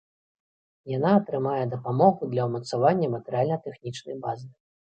Яна атрымае дапамогу для ўмацавання матэрыяльна-тэхнічнай базы.